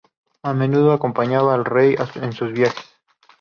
A menudo acompañaba al rey en sus viajes.